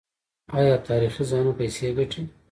آیا تاریخي ځایونه پیسې ګټي؟